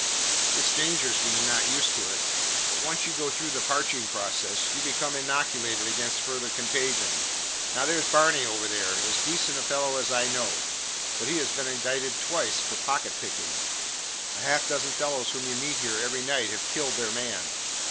It 's dangerous when you 're not used to it; but once you go through the parching process, you become inoculated against further contagion. Now, there 's Barney over there, as decent a fellow as I know; but he has been indicted twice for pocket picking. A half dozen fellows whom you meet here every night have killed their man.